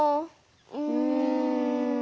うん。